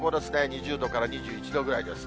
２０度から２１度ぐらいです。